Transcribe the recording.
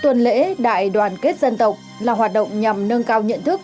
tuần lễ đại đoàn kết dân tộc là hoạt động nhằm nâng cao nhận thức